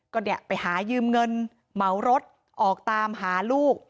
ก็เนี่ยไปหายืมเงินเหมารถออกตามหาลูก